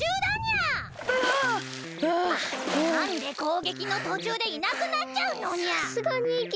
なんでこうげきのとちゅうでいなくなっちゃうのにゃ！